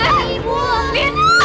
jangan bawa dina nek